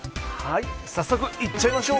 早速行っちゃいましょう。